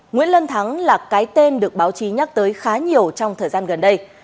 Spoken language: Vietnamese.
nguyễn lân thắng là cái tên được báo chí nhắc tới khá nhiều trong thời gian gần đây